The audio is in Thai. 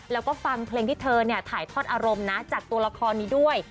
แล้วก็ฟังเพลงที่เธอถ่ายทอดอารมณ์นะจากตัวละครนี้ด้วย